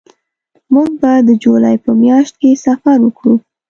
موږ به د جولای په میاشت کې سفر وکړو